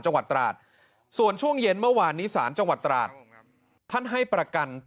จังหวัดประเภท